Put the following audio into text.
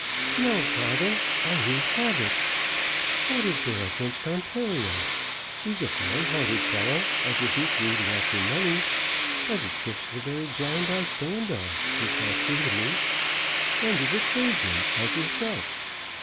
"No, father, I won't have it. What is there against Ontario? He's a fine hearted fellow, as isn't greedy after money, as 'd kiss the very ground I stand on he's that true to me, and is a tradesman as yourself.